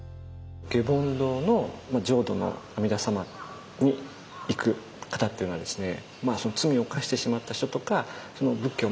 下品堂の浄土の阿弥陀様に行く方っていうのはですね